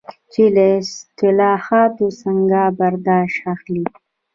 چې له اصطلاحاتو څنګه برداشت اخلي.